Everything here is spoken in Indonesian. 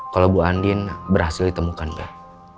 kalau bu andin berhasil ditemukan gak